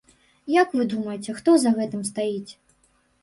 Як вы думаеце, хто за гэтым стаіць?